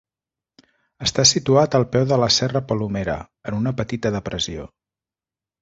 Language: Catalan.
Està situat al peu de la Serra Palomera, en una petita depressió.